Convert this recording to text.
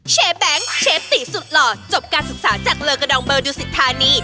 แบงค์เชฟตีสุดหล่อจบการศึกษาจากเลอกระดองเบอร์ดูสิทธานี